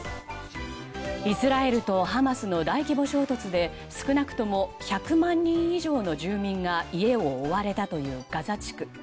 イスラエルとハマスの大規模衝突で少なくとも１００万人以上の住民が家を追われたというガザ地区。